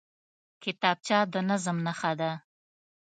کتابچه د نظم نښه ده